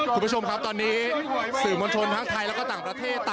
คุณผู้ชมครับตอนนี้สื่อมวลชนทั้งไทยแล้วก็ต่างประเทศ